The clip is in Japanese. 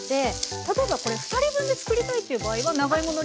例えばこれ２人分で作りたいっていう場合は長芋の量は倍量で？